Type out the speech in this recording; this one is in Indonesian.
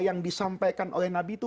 yang disampaikan oleh nabi itu